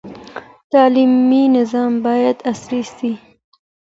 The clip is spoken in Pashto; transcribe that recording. تعلیمي نظام باید عصري سي.